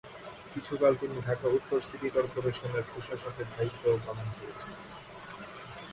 কিছুকাল তিনি ঢাকা উত্তর সিটি করপোরেশনের প্রশাসকের দায়িত্বও পালন করেন।